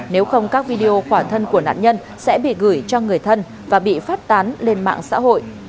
nếu không các video quả thân của nạn nhân sẽ bị gửi cho người thân và bị phát tán lên mạng xã hội